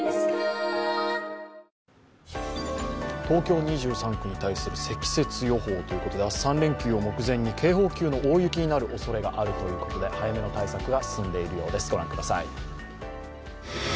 東京２３区に対する積雪予報ということで３連休を目前に警報級の大雪になるおそれがあるということで早めの対策が進んでいるようです。